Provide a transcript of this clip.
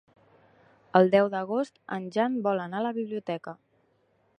El deu d'agost en Jan vol anar a la biblioteca.